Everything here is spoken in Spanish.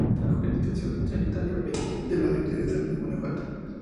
En la Jurisdicción Sanitaria V, de la Secretaría de Salud de Guanajuato.